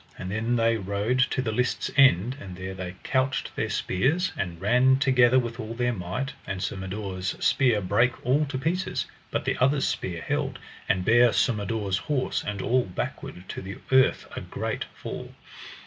And then they rode to the lists' end, and there they couched their spears, and ran together with all their might, and Sir Mador's spear brake all to pieces, but the other's spear held, and bare Sir Mador's horse and all backward to the earth a great fall.